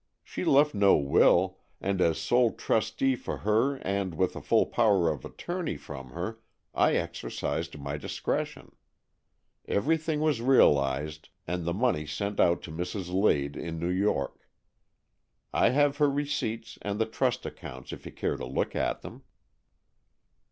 She left no will, and as sole trustee for her and with a full power of attorney from her, I exercised my discretion. Every thing was realized, and the money sent out to Mrs. Lade in New York. I have her receipts and the trust accounts, if you care to look at them."